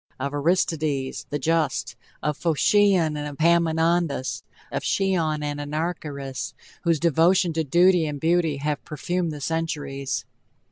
of Aristides! the Just of Phocion and Epaminondas! of Chillon and Anarcharchis! whose devotion to duty and beauty have perfumed the centuries!